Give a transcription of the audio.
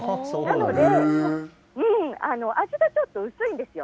なので、味がちょっと薄いんですよ。